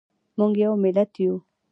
موږ یو ملت یو